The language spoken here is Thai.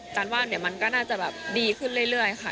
ฉันว่ามันก็น่าจะแบบดีขึ้นเรื่อยค่ะ